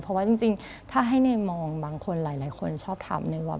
เพราะว่าจริงถ้าให้เนยมองบางคนหลายคนชอบถามเนยว่า